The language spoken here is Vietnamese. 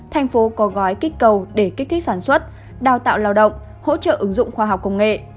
thành phố có gói kích cầu để kích thích sản xuất đào tạo lao động hỗ trợ ứng dụng khoa học công nghệ